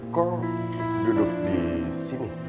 kok duduk disini